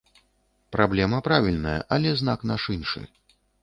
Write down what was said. Праблема правільная, але знак наш іншы.